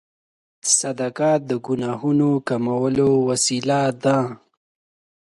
صدقه د ګناهونو د کمولو وسیله ده.